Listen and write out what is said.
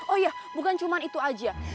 oh iya bukan cuma itu aja